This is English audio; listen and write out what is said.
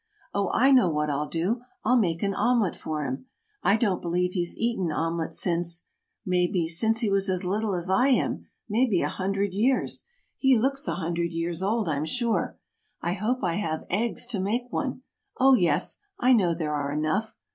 Oh, I know what I'll do! I'll make an omelet for him! I don't believe he's eaten omelet since maybe, since he was as little as I am maybe a hundred years. He looks a hundred years old, I'm sure. I hope I have eggs to make one oh, yes, I know there are enough.